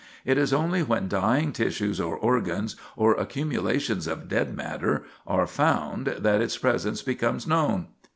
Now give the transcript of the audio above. It is only when dying tissues or organs, or accumulations of dead matter, are found that its presence becomes known.